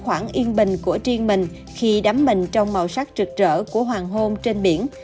vấn đề thiên bình của riêng mình khi đắm mình trong màu sắc rực rỡ của hoàng hôn trên biển